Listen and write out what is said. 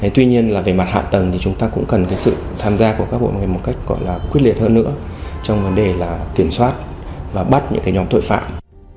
tuy nhiên là về mặt hạ tầng thì chúng ta cũng cần sự tham gia của các hội người một cách gọi là quyết liệt hơn nữa trong vấn đề là kiểm soát và bắt những nhóm tội phạm